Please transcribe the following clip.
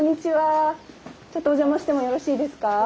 ちょっとお邪魔してもよろしいですか？